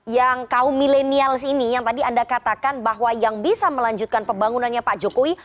yang kaum milenials ini yang tadi anda katakan bahwa yang bisa melanjutkan pembangunannya pak jokowi